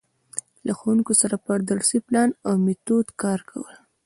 له ښـوونکو سره پر درسي پـلان او میتود کـار کول.